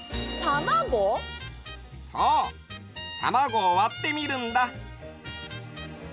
たまごをわってみるんだ。